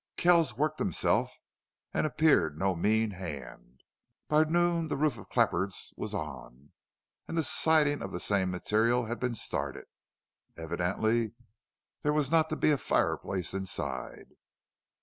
Kells worked himself, and appeared no mean hand. By noon the roof of clapboards was on, and the siding of the same material had been started. Evidently there was not to a be a fireplace inside.